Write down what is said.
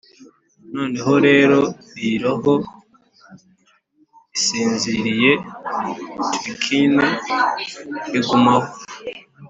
noneho rero iyi roho isinziriye tarquin igumaho,